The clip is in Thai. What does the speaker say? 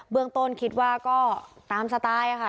เบื้องต้นคิดว่าก็ตามสไตล์ค่ะ